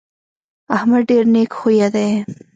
احمد ډېر نېک خویه دی.